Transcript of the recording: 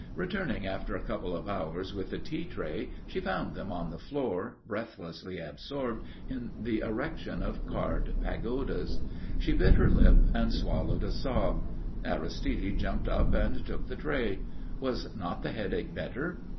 Returning after a couple of hours with the tea tray, she found them on the floor breathlessly absorbed in the erection of card pagodas. She bit her lip and swallowed a sob. Aristide jumped up and took the tray. Was not the headache better?